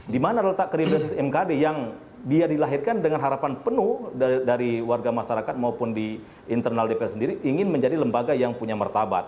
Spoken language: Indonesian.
dimana letak kriminalisasi mkd yang dia dilahirkan dengan harapan penuh dari warga masyarakat maupun di internal dpr sendiri ingin menjadi lembaga yang punya martabat